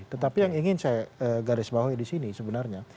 tetapi yang ingin saya garis bawahi di sini sebenarnya